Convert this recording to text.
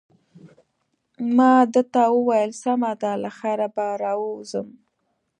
ما ده ته وویل: سمه ده، له خیره به راووځم.